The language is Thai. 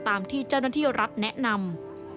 ตามที่เจ้าหน้าที่รัฐแนะนำ